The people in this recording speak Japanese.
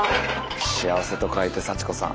「幸せ」と書いて幸子さん。